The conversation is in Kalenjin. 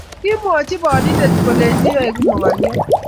Kimwochi bonindet kolech ieku mogoriot